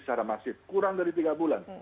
secara masif kurang dari tiga bulan